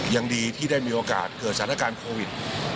ยังดีที่ได้มีโอกาสเกิดสถานการณ์โควิด